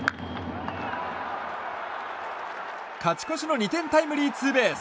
勝ち越しの２点タイムリーツーベース。